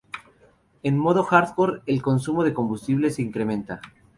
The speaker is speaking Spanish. En el modo hardcore, el consumo de combustible se incrementa.